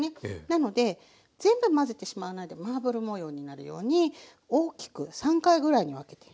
なので全部混ぜてしまわないでマーブル模様になるように大きく３回ぐらいに分けて。